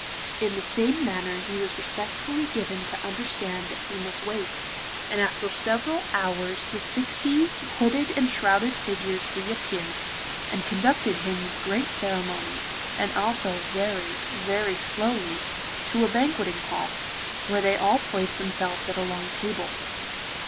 In the same manner he was respectfully given to understand that he must wait, and after several hours the sixty hooded and shrouded figures re appeared, and conducted him with great ceremony, and also very very slowly, to a banqueting hall, where they all placed themselves at a long table.